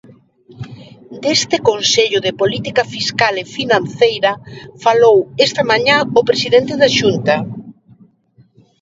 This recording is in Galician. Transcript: Deste Consello de Política Fiscal e Financeira falou esta mañá o presidente da Xunta.